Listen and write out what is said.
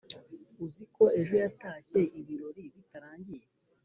uziko ejo yatashye ibirori bitarangiye"